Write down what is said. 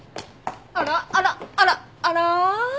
あらあらあらあら？